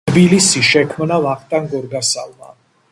თბილისი შექმნა ვახტანგ გორგასალმა